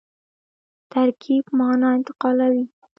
ترکیب مانا انتقالوي.